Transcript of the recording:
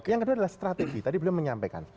yang kedua adalah strategi tadi beliau menyampaikan